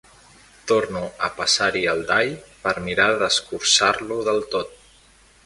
Torno a passar-hi el dall per mirar d'escorçar-lo del tot.